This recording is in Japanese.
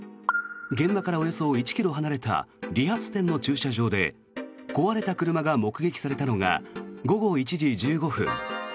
現場からおよそ１ｋｍ離れた理髪店の駐車場で壊れた車が目撃されたのが午後１時１５分。